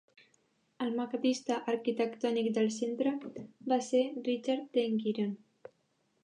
El maquetista arquitectònic del Centre va ser Richard Tenguerian.